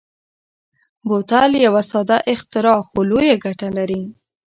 بوتل یو ساده اختراع خو لویه ګټه لري.